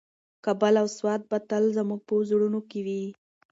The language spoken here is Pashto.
کابل او سوات به تل زموږ په زړونو کې وي.